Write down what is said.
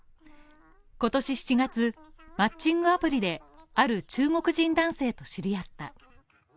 今年７月、マッチングアプリである中国人男性と知り合った。